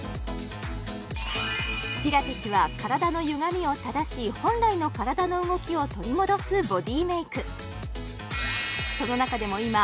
ピラティスは体のゆがみを正し本来の体の動きを取り戻すボディメイク